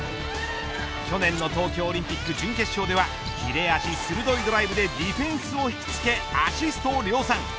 去年の東京オリンピック準決勝では切れ味鋭いドライブでディフェンスを引きつけアシストを量産。